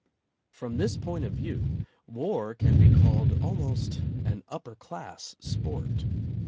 From this point of view, war can be called almost an upper class sport.